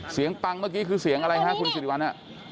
ปังเมื่อกี้คือเสียงอะไรฮะคุณสิริวัล